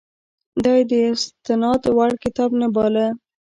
دا یې د استناد وړ کتاب نه باله.